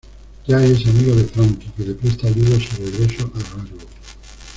Jay es amigo de Frankie, que le presta ayuda a su regreso a Glasgow.